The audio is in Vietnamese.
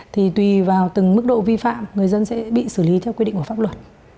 thì tùy vào từng mức độ vi phạm người dân sẽ bị xử lý theo quy định của pháp luật